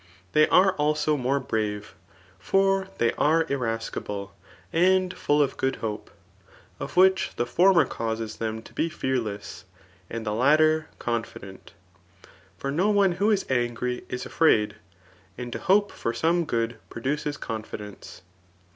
They are also more brave ; for diey are irasciUe^ and full of good hope; 'of which the former causes them to be fearless, and the latter confident ; for no one who is angry ^ is afiraid, and to hope for some good pro duces confidence.